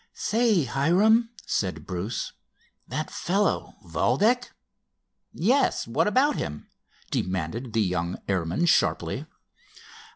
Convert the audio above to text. "Say, Hiram," said Bruce, "that fellow, Valdec——" "Yes, what about him?" demanded the young airman, sharply.